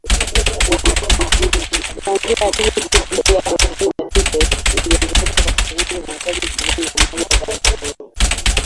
Kuanzia Aprili sita, bei ya petroli na dizeli iliongezeka kwa shilingi mia tatu ishirini na moja za Tanzania.